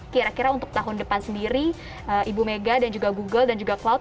kira kira untuk tahun depan sendiri ibu mega dan juga google dan juga cloud